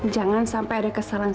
jangan sampai ada kesalahan